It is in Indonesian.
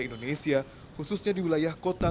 indonesia khususnya di wilayah kota